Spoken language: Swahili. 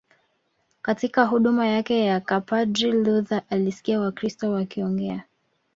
Katika huduma yake ya kipadri Luther alisikia Wakristo wakiongea